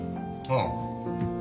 ああ